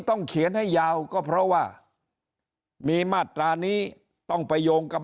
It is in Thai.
ต้องเขียนให้ยาวก็เพราะว่ามีมาตรานี้ต้องไปโยงกับ